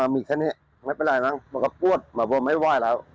มีแค่นี้ไม่เป็นไรนะเปิดไม่ไหวแล้ว